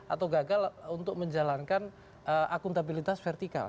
atau gagal untuk menjalankan akuntabilitas vertikal